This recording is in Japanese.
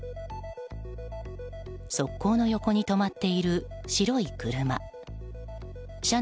側溝の横に止まっている白い車。